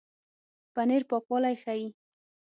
پنېر پاکوالی ښيي.